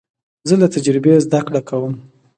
زه له تجربې زده کړه کوم.